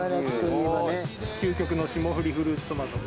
・究極の霜降りフルーツトマト。